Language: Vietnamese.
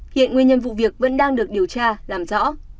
hiện nguyên nhân vụ việc vẫn đang được điều tra làm rõ